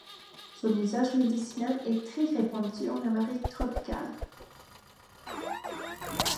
Son usage médicinal est très répandu en Amérique tropicale.